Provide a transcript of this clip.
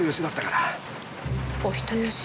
お人よし。